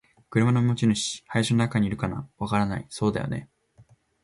「車の持ち主。林の中にいるかな？」「わからない。」「そうだよね。」